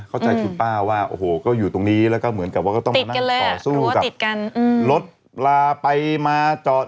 เข้าใจคุณป้าว่าอยู่ตรงนี้แล้วก็เหมือนกันต้องเจอกับรถลาไปับจอด